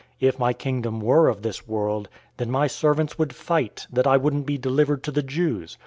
If my Kingdom were of this world, then my servants would fight, that I wouldn't be delivered to the Jews.